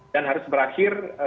dan harus berakhir